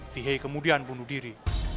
fahey kemudian bunuh diri